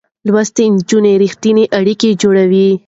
لوستې نجونې رښتينې اړيکې جوړوي.